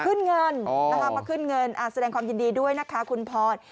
ขึ้นเงินนะคะมาขึ้นเงินแสดงความยินดีด้วยนะคะคุณพร